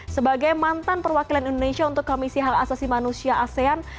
sebagai mantan perwakilan indonesia untuk komisi hak asasi manusia asean